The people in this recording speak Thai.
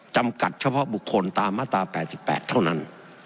จำกัดเฉพาะบุคคลตามมาตรา๘๘เท่านั้น